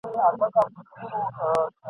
څو چي ورېځ پر آسمان ګرځي !.